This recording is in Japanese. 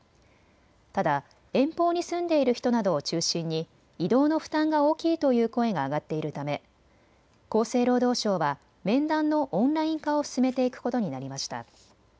ただ遠方に住んでいる人などを中心に移動の負担が大きいという声が上がっているため厚生労働省は面談のオンライン化を進めていくことになりました。